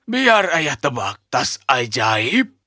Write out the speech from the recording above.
biar ayah tebak tas ajaib